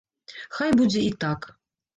Хай будзе і так!